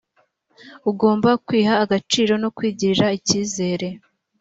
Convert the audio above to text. ugomba kwiha agaciro no kwigirira icyizere